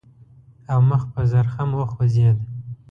او مخ په زرخم وخوځېد.